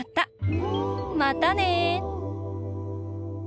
またね！